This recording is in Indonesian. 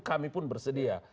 kami pun bersedia